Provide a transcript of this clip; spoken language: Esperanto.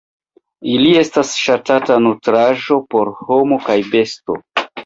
Ili estas ŝatata nutraĵo por homo kaj besto.